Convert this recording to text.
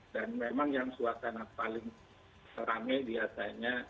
dan memang yang suasana paling rame biasanya